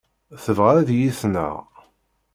Tebɣa ad iyi-tneɣ.